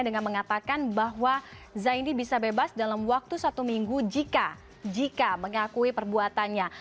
dengan mengatakan bahwa zaini bisa bebas dalam waktu satu minggu jika mengakui perbuatannya